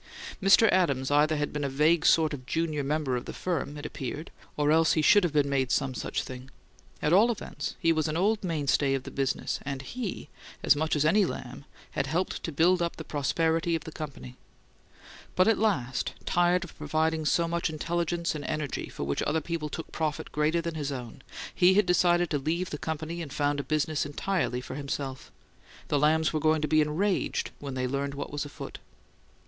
Mr. Adams either had been a vague sort of junior member of the firm, it appeared, or else he should have been made some such thing; at all events, he was an old mainstay of the business; and he, as much as any Lamb, had helped to build up the prosperity of the company. But at last, tired of providing so much intelligence and energy for which other people took profit greater than his own, he had decided to leave the company and found a business entirely for himself. The Lambs were going to be enraged when they learned what was afoot.